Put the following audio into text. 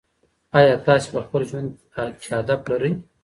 آیا تاسې په خپل ژوند کې هدف لرئ؟